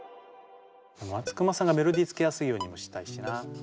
松隈さんがメロディーつけやすいようにもしたいしな。